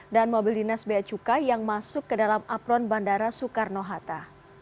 dan mobil dinas beacuka yang masuk ke dalam apron bandara soekarno hatta